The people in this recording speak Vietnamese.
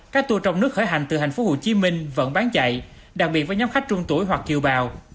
các tour trong nước khởi hành từ thành phố hồ chí minh vẫn bán chạy đặc biệt với nhóm khách trung tuổi hoặc kiều bào